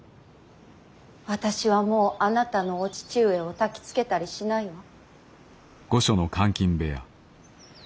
私はもうあなたのお父上をたきつけたりしないわ。